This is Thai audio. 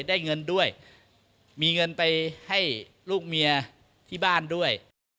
ได้เงินด้วยมีเงินไปให้ลูกเมียที่บ้านด้วย